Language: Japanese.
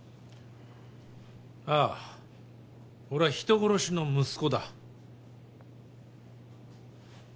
ああ俺は人殺しの息子だ